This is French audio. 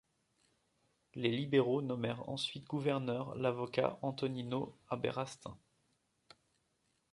Les libéraux nommèrent ensuite gouverneur l’avocat Antonino Aberastain.